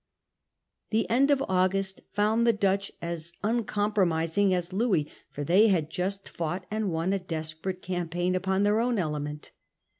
The end of August found the Dutch as uncompro mising as Louis, for they had just fought and won a desperate campaign upon their own element.